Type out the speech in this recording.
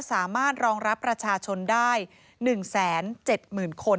สามารถรองรับประชาชนได้๑๗๐๐๐คน